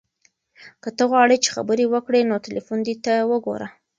که ته غواړې چې خبرې وکړو نو تلیفون دې ته وګوره.